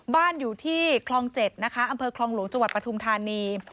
บ้านอยู่ที่คลอง๗นะคะอำเภอคลองหลวงจปฐน